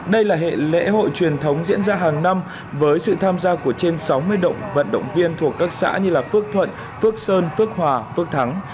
đây là hệ lễ hội truyền thống diễn ra hàng năm với sự tham gia của trên sáu mươi động vận động viên thuộc các xã như phước thuận phước sơn phước hòa phước thắng